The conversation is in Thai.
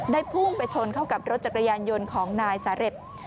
พุ่งไปชนเข้ากับรถจักรยานยนต์ของนายสาเร็จ